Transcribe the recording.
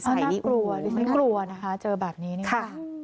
น่ากลัวน่ากลัวนะคะเจอแบบนี้